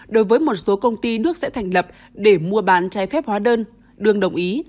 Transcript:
đối với một số công ty nước sẽ thành lập để mua bán trái phép hóa đơn đương đồng ý